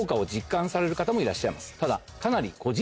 ただ。